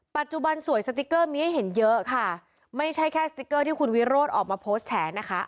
ปัจจุบันสวยสติ๊กเกอร์มีให้เห็นเยอะค่ะไม่ใช่แค่สติ๊กเกอร์ที่คุณวิโรธออกมาโพสต์แฉนะคะ